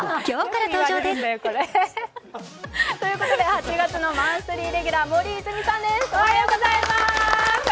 ８月のマンスリーレギュラー、森泉さんです。